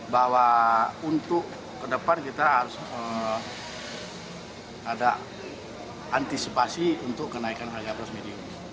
bahwa untuk ke depan kita harus ada antisipasi untuk kenaikan harga bros medium